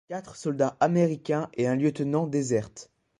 Quatre soldats américains et un lieutenant désertent.